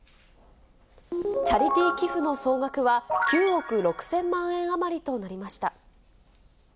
チャリティー寄付の総額は、９億６０００万円余りとなりました。